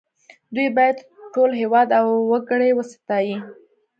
دوی باید ټول هېواد او وګړي وستايي